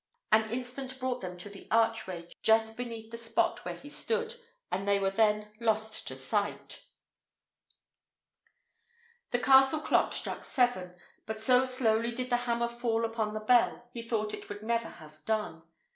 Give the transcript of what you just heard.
An instant brought them to the archway just beneath the spot where he stood, and they were then lost to his sight. The castle clock struck seven; but so slowly did the hammer fall upon the bell, he thought it would never have done.